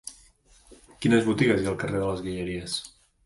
Quines botigues hi ha al carrer de les Guilleries?